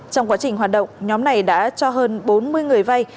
trong quá trình hoạt động nhóm này đã cho hơn bốn mươi người vay